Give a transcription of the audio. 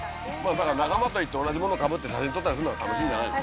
だから仲間と行って同じものかぶって写真撮ったりするのが楽しいんじゃないの？